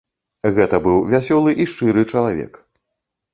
Гэта быў вясёлы і шчыры чалавек.